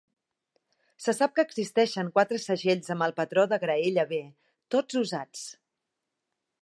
Se sap que existeixen quatre segells amb el patró de "graella B", tots usats.